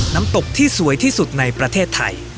น้ำตกที่สวยที่สุดในประเทศไทย